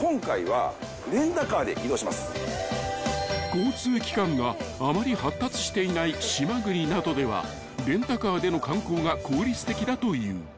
［交通機関があまり発達していない島国などではレンタカーでの観光が効率的だという］